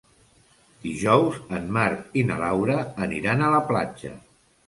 Dijous en Marc i na Laura aniran a la platja.